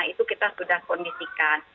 itu kita sudah kondisikan